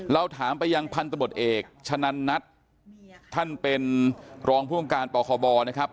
เราถามไปยังพันธบทเอกชะนันนัทท่านเป็นรองภูมิการปคบนะครับ